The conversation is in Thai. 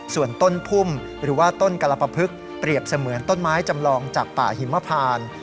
ส่วนต้นพุ่มหรือว่าต้นกรปภึกเปรียบเสมือนต้นไม้จำลองจากป่าหิมพาน